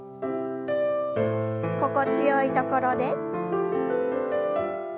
心地よいところで。